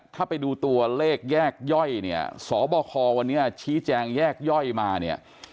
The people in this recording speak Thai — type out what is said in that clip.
ถ้าไปดูตัวเลขแยกย่อยเนี่ยสบควันนี้ชี้แจงแยกย่อยมาเนี่ย